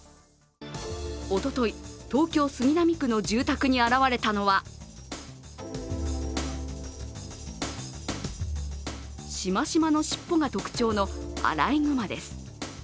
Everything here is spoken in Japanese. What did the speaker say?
おととい、東京・杉並区の住宅に現れたのはしましまの尻尾が特徴のアライグマです。